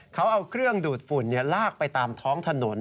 เขาเอาเครื่องดูดฝุ่นลากไปตามท้องถนน